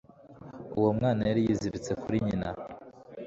Uwo mwana yari yiziritse kuri nyina